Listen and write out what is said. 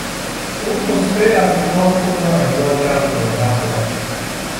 او نسخهای از کتاب خود را امضا کرد و به من داد.